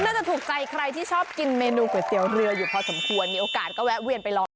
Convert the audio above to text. น่าจะถูกใจใครที่ชอบกินเมนูก๋วยเตี๋ยวเรืออยู่พอสมควรมีโอกาสก็แวะเวียนไปลอง